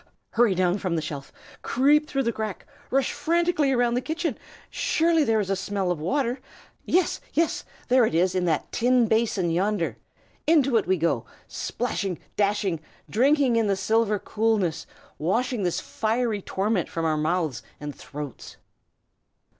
Hurry down from the shelf, creep through the crack, rush frantically round the kitchen. Surely there is a smell of water? Yes, yes! there it is, in that tin basin, yonder. Into it we go, splashing, dashing, drinking in the silver coolness, washing this fiery torment from our mouths and throats.